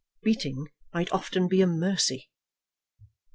Beating might often be a mercy."